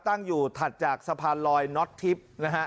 ตั้งอยู่ถัดจากสะพานลอยน็อตทิพย์นะฮะ